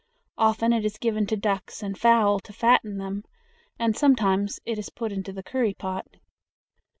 Often it is given to ducks and fowl to fatten them, and sometimes it is put into the curry pot.